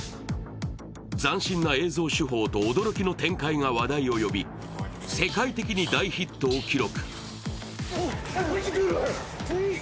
斬新な映像手法と驚きの展開が話題を呼び世界的に大ヒットを記録。